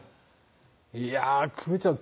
「いやくみちゃん